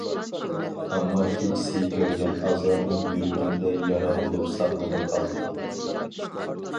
ئەمما، كېچىسى كۆرگەن ئازابىم يۈرىكىمدە يارا بولۇپ ساقلىنىپ قالدى.